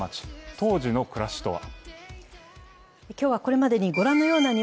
当時の暮らしとは。